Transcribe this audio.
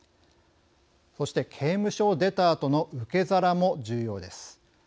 そして刑務所を出たあとの受け皿も重要です。